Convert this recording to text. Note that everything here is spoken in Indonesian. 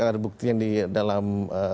ada bukti yang di dalam